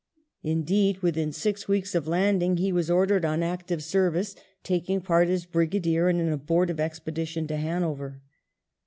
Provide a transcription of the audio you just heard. Indeed, within six weeks of landing he was ordered on active service, taking part as brigadier in an abortive expedition to Hanover.